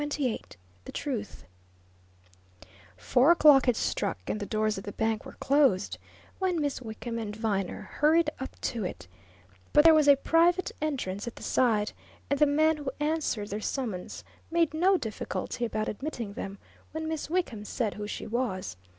CHAPTER XXVIII THE TRUTH Four o'clock had struck, and the doors of the bank were closed when Miss Wickham and Viner hurried up to it, but there was a private entrance at the side, and the man who answered their summons made no difficulty about admitting them when Miss Wickham said who she was.